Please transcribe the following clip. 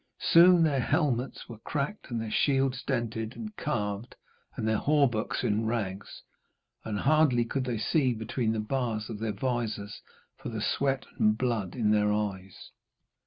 Soon their helmets were cracked and their shields dented and carved and their hauberks in rags, and hardly could they see between the bars of their vizors for the sweat and blood in their eyes.